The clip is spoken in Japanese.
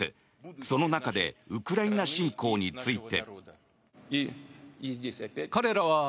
その中でウクライナ侵攻について。